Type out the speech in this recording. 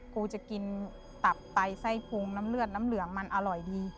กูจะกินตับไตไส้พุงน้ำเลือดน้ำเหลืองมันอร่อยดี